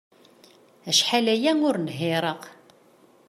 Acḥal aya ur nhireɣ.